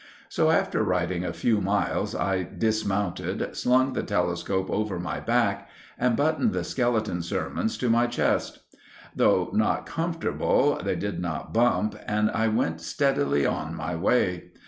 So after riding a few miles I dismounted, slung the telescope over my back and buttoned the Skeleton Sermons to my chest. Though not comfortable, they did not bump, and I went steadily on my way.